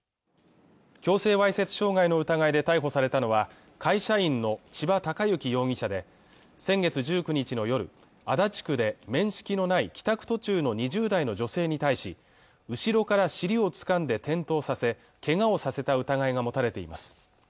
強制わいせつ傷害の疑いで逮捕されたのは会社員の千葉貴之容疑者で先月１９日の夜足立区で面識のない帰宅途中の２０代の女性に対し後ろから尻をつかんで転倒させけがをさせた疑いが持たれています